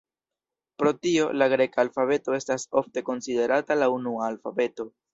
Pro tio, la greka alfabeto estas ofte konsiderata la unua alfabeto.